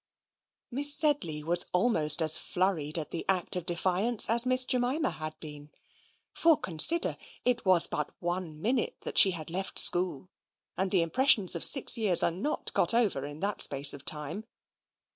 Miss Sedley was almost as flurried at the act of defiance as Miss Jemima had been; for, consider, it was but one minute that she had left school, and the impressions of six years are not got over in that space of time.